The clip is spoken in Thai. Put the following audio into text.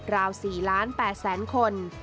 ราว๔ล้าน๘แสนคน